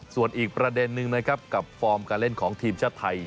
ส่วนอีกประเด็นนึงกับฟอร์มการเล่นของทีมชัดไทย